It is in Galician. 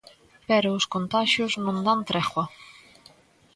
Pero os contaxios non dan tregua.